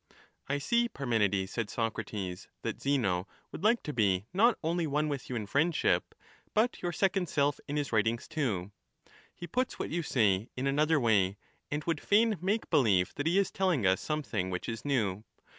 I see, Parmenides, said Socrates, that Zeno would like to 'The many be not only one with you in friendship but your second self ^y"^. in his writings too ; he puts what you say in another way, other way and would fain make believe that he is telling us some ^^^^^*' thing which is new.